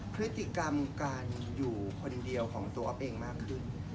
พฤติกรรมการอยู่คนเดียวของตัวออฟเองมากขึ้น